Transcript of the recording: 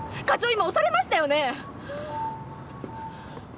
今押されましたよね